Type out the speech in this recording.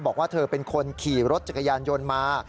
บอกว่าเธอเป็นคนขี่รถจักรยานยนต์มา